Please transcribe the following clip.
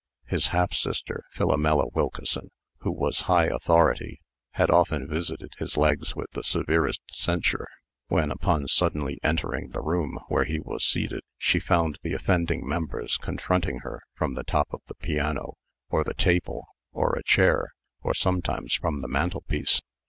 His half sister, Philomela Wilkeson, who was high authority, had often visited his legs with the severest censure, when, upon suddenly entering the room where he was seated, she found the offending members confronting her from the top of the piano, or the table, or a chair, or sometimes from the mantelpiece.